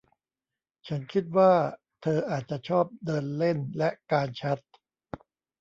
ฉันคิดว่าเธออาจจะชอบเดินเล่นและการแชท